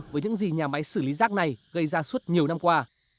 với những gì nhà máy xử lý rác này gây ra suốt nhiều năm qua